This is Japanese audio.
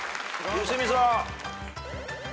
良純さん